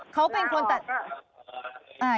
เขาเป็นคนแต่